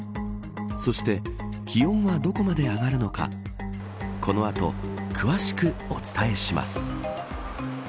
そして気温はどこまで上がるのかこの後、詳しくお伝えします。